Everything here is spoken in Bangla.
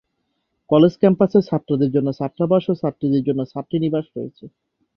কলেজ ক্যাম্পাসে ছাত্রদের জন্য ছাত্রাবাস ও ছাত্রীদের জন্য ছাত্রী নিবাস রয়েছে।